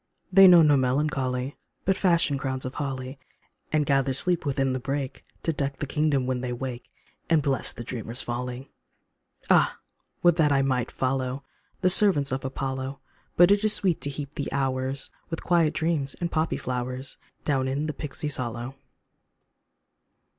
They know no melancholy, But fashion crowns of holly, And gather sleep within the brake To deck a kingdom when they wake, And bless the dreamer's folly. 54 DREAM SONG Ah ! would that I might follow The servants of Apollo ! But it is sweet to heap the hours With quiet dreams and poppy flowers, Down in the pixies' hollow.